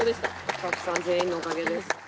スタッフさん全員のおかげです。